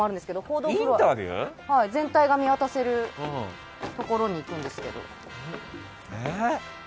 報道フロア全体が見渡せるところに行くんですけど。